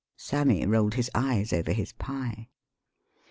Sammy rolled his eyes over his pie.